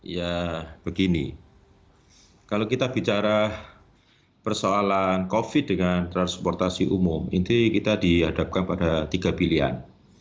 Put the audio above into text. ya begini kalau kita bicara persoalan covid dengan transportasi umum ini kita dihadapkan pada tiga pilihan